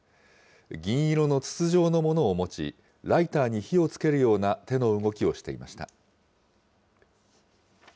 銀色の筒状のものを持ち、ライターに火をつけるような手の動きをしていました。